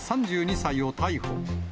３２歳を逮捕。